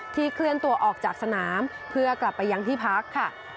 เคลื่อนตัวออกจากสนามเพื่อกลับไปยังที่พักค่ะ